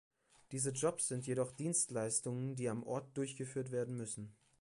Diese Jobs sind jedoch Dienstleistungen, die am Ort durchgeführt werden müssen.